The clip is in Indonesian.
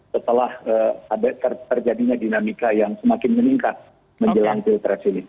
setelah terjadinya dinamika yang semakin meningkat menjelang pilpres ini